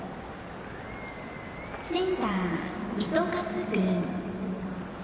センター、糸数君。